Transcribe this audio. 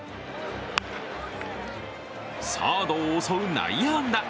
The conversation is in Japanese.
サードを襲う内野安打。